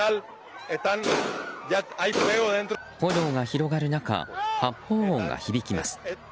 炎が広がる中、発砲音が響きます。